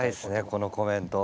このコメント。